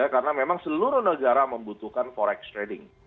karena memang seluruh negara membutuhkan forex trading